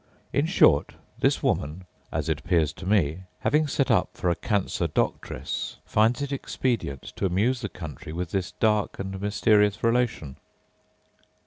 In short, this woman (as it appears to me) having set up for a cancer doctress, finds it expedient to amuse the country with this dark and mysterious relation.